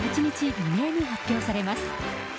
未明に発表されます。